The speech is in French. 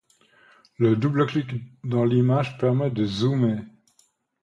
Le double-clic dans l'image permet de zoomer.